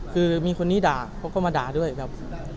คือมีคนนี้ด่าเขาก็มาด่าด้วยแบบ